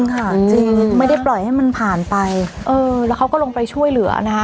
ค่ะจริงไม่ได้ปล่อยให้มันผ่านไปเออแล้วเขาก็ลงไปช่วยเหลือนะคะ